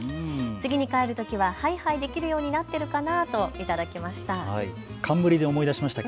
次に帰るときははいはいできるようになっているかなといただきました。